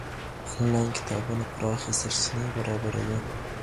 انلاين کتابتونونه پراخې سرچينې برابروي.